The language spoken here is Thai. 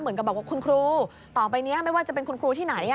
เหมือนกับบอกว่าคุณครูต่อไปนี้ไม่ว่าจะเป็นคุณครูที่ไหน